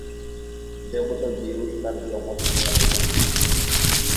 দেবতা জিউস তার যমজ সন্তানের জনক।